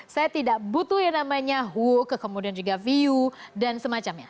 saya tidak butuh yang namanya hook kemudian juga view dan semacamnya